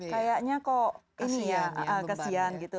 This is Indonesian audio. kayaknya kok ini ya kesian gitu